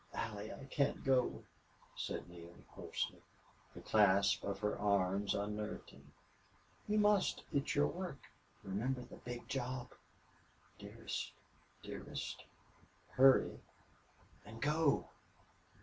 "Allie, I can't go," said Neale, hoarsely. The clasp of her arms unnerved him. "You must. It's your work. Remember the big job!... Dearest! Dearest! Hurry and go!"